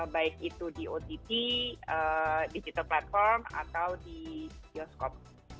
baik itu di ott di digital platform atau di bioskop